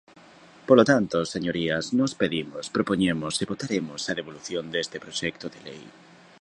Polo tanto, señorías, nós pedimos, propoñemos e votaremos a devolución deste proxecto de lei.